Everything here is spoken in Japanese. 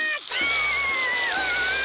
うわ！